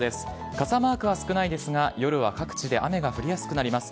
傘マークは少ないですが、夜は各地で雨が降りやすくなります。